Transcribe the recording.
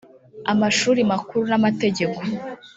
amashuri makuru n amategeko